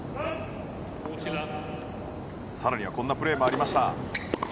更にはこんなプレーもありました。